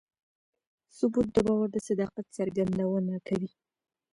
ثبوت د باور د صداقت څرګندونه کوي.